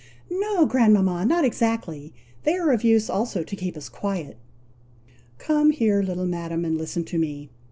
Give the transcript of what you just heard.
"No, grandmama; not exactly! They are of use also to keep us quiet." "Come here, little madam, and listen to me.